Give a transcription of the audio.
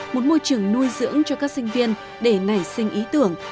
một môi trường nuôi dưỡng cho các sinh viên để nảy sinh ý tưởng